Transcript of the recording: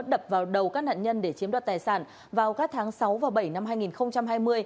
đập vào đầu các nạn nhân để chiếm đoạt tài sản vào các tháng sáu và bảy năm hai nghìn hai mươi